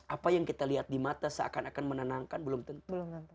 apa yang kita lihat di mata seakan akan menenangkan belum tentu